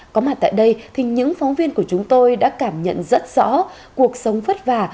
có mặt tại đây thì những phóng viên của chúng tôi đã cảm nhận rất rõ cuộc sống vất vả